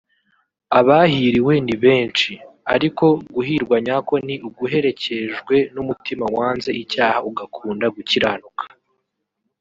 “Abahiriwe ni benshi ariko guhirwa nyako ni uguherekejwe n’umutima wanze icyaha ugakunda gukiranuka”